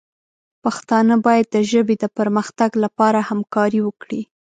پښتانه باید د ژبې د پرمختګ لپاره همکاري وکړي.